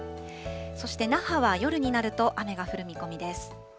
そして那覇は夜になると雨が降る見込みです。